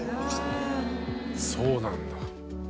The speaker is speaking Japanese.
そうなんだ。